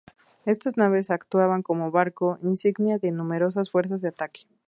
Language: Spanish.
Estas naves actuaban como barco insignia de numerosas fuerzas de ataque.